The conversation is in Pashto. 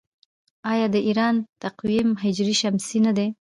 آیا د ایران تقویم هجري شمسي نه دی؟